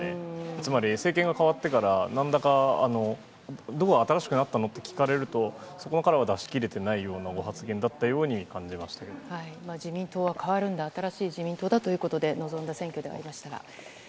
つまり政権が代わってから、なんらか、どう新しくなったの？って聞かれると、そこのカラーは出し切れてないようなご発言だっ自民党は変わるんだ、新しい自民党だということで臨んだ選挙ではありましたが。